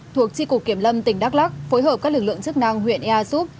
thuộc tri cục kiểm lâm tp long xuyên phối hợp các lực lượng chức năng huyện ea súp